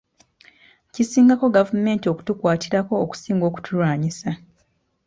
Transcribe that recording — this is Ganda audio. Kisingako gavumenti okutukwatirako okusinga okutulwanyisa.